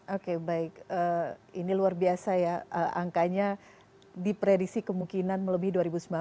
oke baik ini luar biasa ya angkanya diprediksi kemungkinan melebihi dua ribu sembilan belas